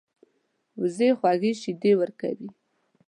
وزې خوږې شیدې ورکوي